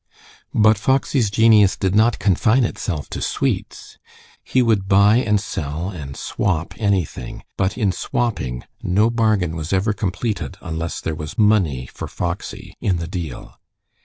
But Foxy's genius did not confine itself to sweets. He would buy and sell and "swap" anything, but in swapping no bargain was ever completed unless there was money for Foxy in the deal.